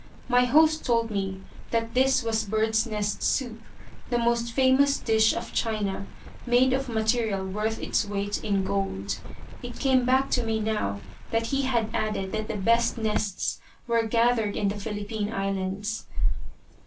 My host told me that this was birds' nest soup, the most famous dish of China, made of material worth its weight in gold. It came back to me now that he had added that the best nests were gathered in the Philippine Islands.